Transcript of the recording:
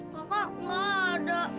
kakak gak ada